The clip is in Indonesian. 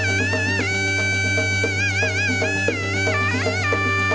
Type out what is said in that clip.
mereka akan menjelaskan kekuatan mereka